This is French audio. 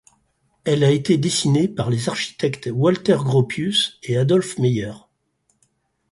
Elle a été dessinée par les architectes Walter Gropius et Adolf Meyer.